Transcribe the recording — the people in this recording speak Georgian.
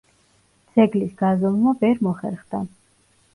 ძეგლის გაზომვა ვერ მოხერხდა.